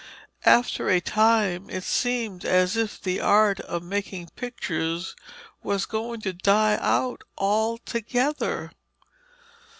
After a time it seemed as if the art of making pictures was going to die out altogether.